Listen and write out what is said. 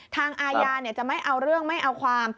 อาญาจะไม่เอาเรื่องไม่เอาความ